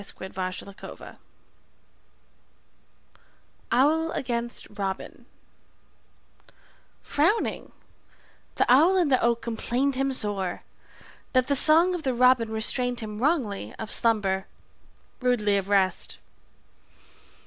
Sidney Lanier Owl against Robin FROWNING, the owl in the oak complained him Sore, that the song of the robin restrained him Wrongly of slumber, rudely of rest.